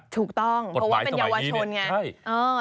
ถูกต้องเพราะว่าเป็นเยาวชนไง